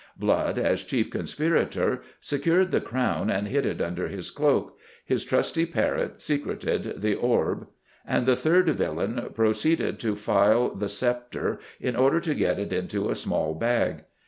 Blood, as chief conspirator, secured the crown and hid it under his cloak; his trusty Parrot secreted the orb; and the third villain proceeded to file the sceptre in order to get it into a small bag.